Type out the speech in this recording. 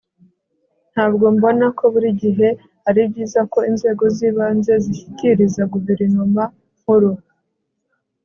Ntabwo mbona ko buri gihe ari byiza ko inzego zibanze zishyikiriza guverinoma nkuru